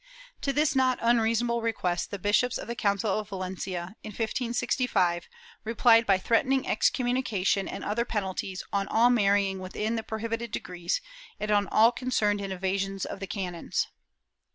To this not unreasonable request the bishops of the Council of Valencia, in 1565, replied by threatening excom munication and other penalties on all marrying within the pro hibited degrees, and on all concerned in evasions of the canons.'